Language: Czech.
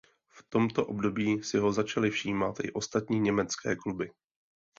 V tomto období si ho začaly všímat i ostatní německé kluby.